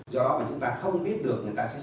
do mà chúng ta không biết được người ta sẽ